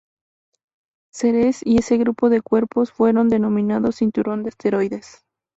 Ceres y ese grupo de cuerpos fueron denominados cinturón de asteroides.